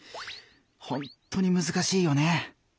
ほんっとにむずかしいよね。